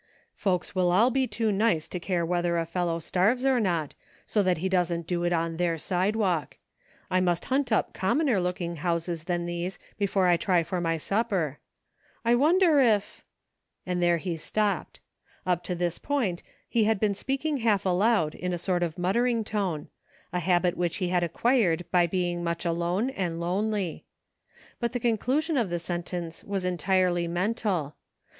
" Folks will all be too nice to care whether a fellow starves or not, so that he doesn't do it on their sidewalk. I must hunt up commoner looking houses than these be fore I try for my supper. I wonder if" — and there he stopped. Up to this point he had been speaking half aloud, in a sort of muttering tone — a habit which he had acquired by being much alone and lonely. But the conclusion of the sentence was entirely mental.